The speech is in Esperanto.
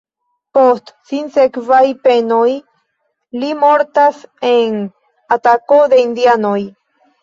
Post sinsekvaj penoj, li mortas en atako de indianoj.